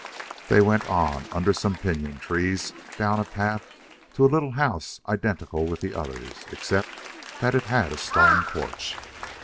They went on under some pinyon trees, down a path to a little house identical with the others, except that it had a stone porch.